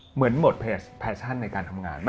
เหมือนหมดแฟชั่นในการทำงาน